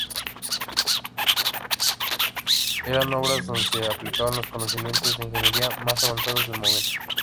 Eran obras donde se aplicaban los conocimientos de ingeniería más avanzados del momento.